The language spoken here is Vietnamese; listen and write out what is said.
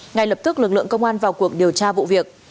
ngay lập tức lực lượng công an vào cuộc điều tra vụ việc